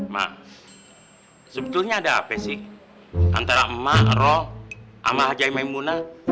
mak sebetulnya ada apa sih antara mak rod ama haji emang emunah